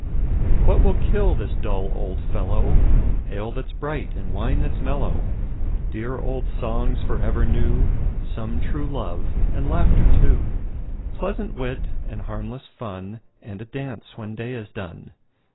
What will kill this dull old fellow? Ale that 's bright, and wine that 's mellow! Dear old songs for ever new; Some true love, and laughter too; Pleasant wit, and harmless fun, And a dance when day is done.